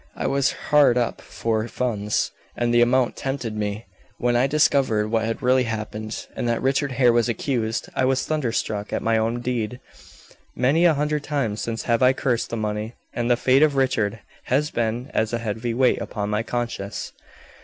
I was hard up for funds, and the amount tempted me. When I discovered what had really happened, and that Richard Hare was accused, I was thunderstruck at my own deed; many a hundred times since have I cursed the money; and the fate of Richard has been as a heavy weight upon my conscience."